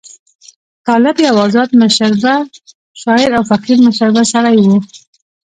طالب یو آزاد مشربه شاعر او فقیر مشربه سړی وو.